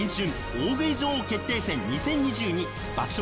大食い女王決定戦２０２２爆食！